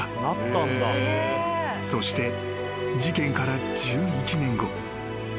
［そして事件から１１年後］